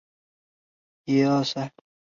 昨天我儿子闹着要去公园玩。